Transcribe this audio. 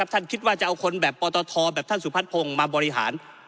ท่านคิดว่าจะเอาคนแบบปตทแบบท่านสุพัฒนพงศ์มาบริหาร